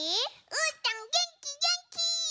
うーたんげんきげんき！